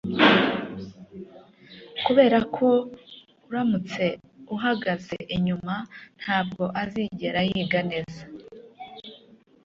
Kuberako uramutse uhagaze inyuma ntabwo azigera yiga neza